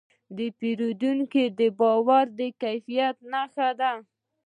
د پیرودونکي باور د کیفیت نښه ده.